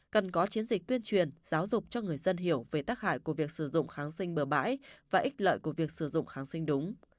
cần có chiến dịch tuyên truyền giáo dục cho người dân hiểu về tác hại của việc sử dụng kháng sinh bừa bãi và ít lợi của việc sử dụng kháng sinh đúng